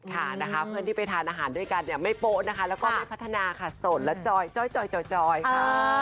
ค่ะนะคะเพื่อนที่ไปทานอาหารด้วยกันเนี่ยไม่โป๊ะนะคะแล้วก็ไม่พัฒนาค่ะสดและจอยจ้อยค่ะ